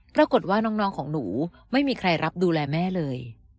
ปรากฏว่าน้องของหนูไม่มีใครรับดูแลแม่เลย